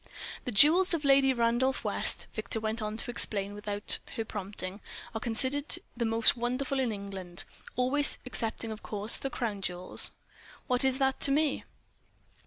"The jewels of Lady Randolph West," Victor went on to explain without her prompting, "are considered the most wonderful in England; always excepting, of course, the Crown jewels." "What is that to me?"